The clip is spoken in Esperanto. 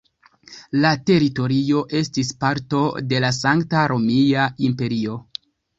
La teritorio estis parto de la Sankta Romia Imperio.